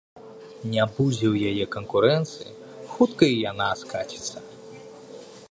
Не будзе ў яе канкурэнцыі, хутка і яна скаціцца.